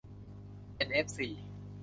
เอ็นเอฟซี